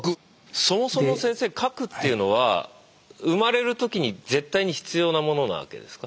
そもそも先生核っていうのは生まれる時に絶対に必要なものなわけですか？